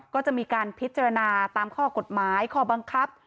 ก็จะมีการพิจารณาตามข้อกฎหมายข้อบังคับ